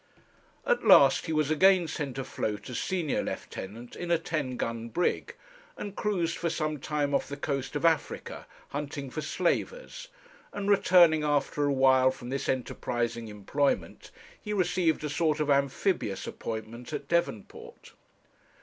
At last he was again sent afloat as senior lieutenant in a ten gun brig, and cruised for some time off the coast of Africa, hunting for slavers; and returning after a while from this enterprising employment, he received a sort of amphibious appointment at Devonport.